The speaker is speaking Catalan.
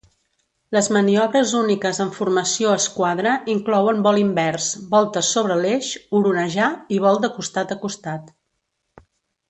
Les maniobres úniques en formació esquadra inclouen vol invers, voltes sobre l'eix, oronejar i vol de costat a costat.